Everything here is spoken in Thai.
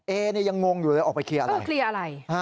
เอเนี่ยยังงงอยู่เลยออกไปเคลียร์อะไร